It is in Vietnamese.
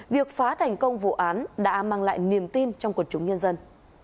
việc phá thành công vụ án đã mang lại niềm tin trong quần chúng nhân dân